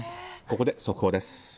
ここで速報です。